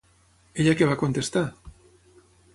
Ella què va contestar?